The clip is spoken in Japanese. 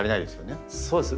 そうです。